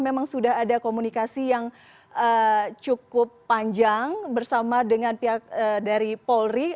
memang sudah ada komunikasi yang cukup panjang bersama dengan pihak dari polri